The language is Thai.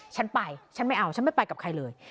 ฉันไปฉันไม่เอาฉันไม่ไปกับใครเลย